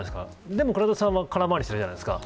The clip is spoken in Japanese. でも倉田さんは空回りしているじゃないですか。